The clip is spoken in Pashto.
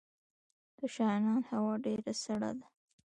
د شغنان هوا ډیره سړه ده